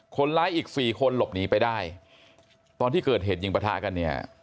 คนร้ายอีกสี่คนหลบหนีไปได้ตอนที่เกิดเหตุยิงประทะกันเนี่ย